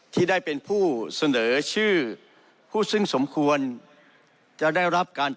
ที่ได้เป็นผู้เสนอชื่อผู้ซึ่งสมควรจะได้รับการ